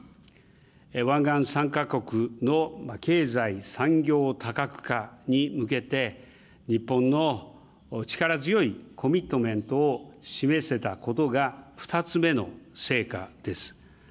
湾岸３か国の経済・産業多角化に向けて、日本の力強いコミットメントを示せたことが２つ目の成果です。